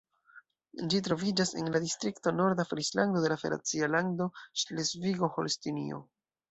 Ĝi troviĝas en la distrikto Norda Frislando de la federacia lando Ŝlesvigo-Holstinio.